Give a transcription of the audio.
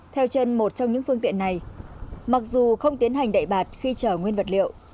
theo chân một trong những phương tiện này mặc dù không tiến hành đậy bạt khi chở nguyên vật liệu